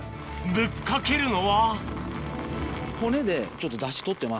ぶっかけるのはへぇ！